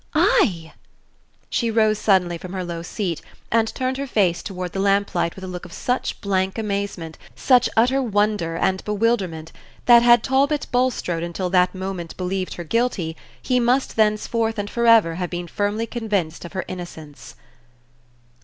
"I!" She rose suddenly from her low seat, and turned her face toward the lamplight with a look of such blank amazement, such utter wonder and bewilderment, that, had Talbot Bulstrode until that moment believed her guilty, he must thenceforth and for ever have been firmly convinced of her innocence.